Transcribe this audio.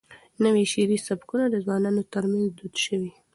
نوي شعري سبکونه د ځوانانو ترمنځ دود شوي.